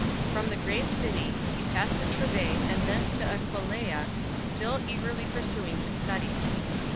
From the great city he passed to Treves and thence to Aquileia 5 , still eagerly pursuing his studies.